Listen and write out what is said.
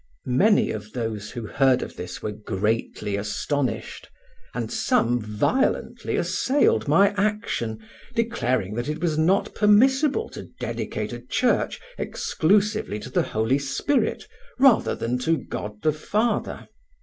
Many of those who heard of this were greatly astonished, and some violently assailed my action, declaring that it was not permissible to dedicate a church exclusively to the Holy Spirit rather than to God the Father.